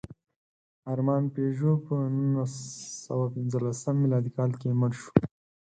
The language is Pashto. ارمان پيژو په نولسسوهپینځلسم مېلادي کال کې مړ شو.